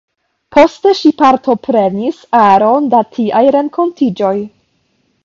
Poste ŝi partoprenis aron da tiaj renkontiĝoj.